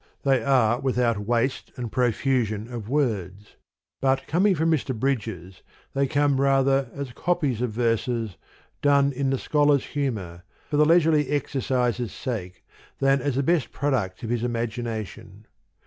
they are without waste and profusion of words : but coming from Mr. Bridges, they come rather as "copies of verses", done in ' the scholar's humour, for the leisurely ex ercise' sake, than as the best products of his imagination.